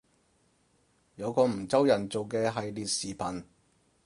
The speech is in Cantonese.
有個梧州人做嘅系列視頻